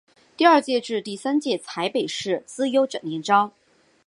第二届至第三届采北市资优联招。